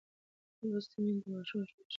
لوستې میندې د ماشوم ژوند ښه کوي.